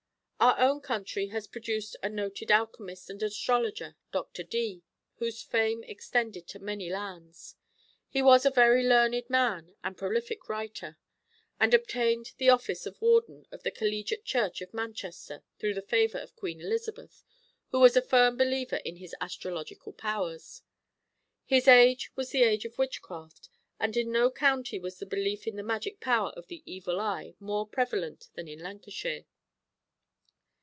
Our own country has produced a noted alchemist and astrologer, Dr. Dee, whose fame extended to many lands. He was a very learned man and prolific writer, and obtained the office of warden of the collegiate church of Manchester through the favour of Queen Elizabeth, who was a firm believer in his astrological powers. His age was the age of witchcraft, and in no county was the belief in the magic power of the "evil eye" more prevalent than in Lancashire.